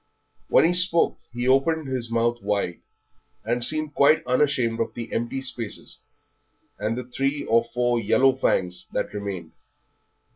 When he spoke he opened his mouth wide, and seemed quite unashamed of the empty spaces and the three or four yellow fangs that remained.